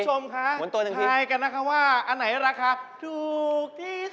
หมุนตัวหนึ่งทีค่ะถ่ายกันนะคะว่าอันไหนราคาถูกที่สุด